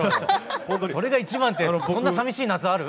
それが一番ってそんなさみしい夏ある？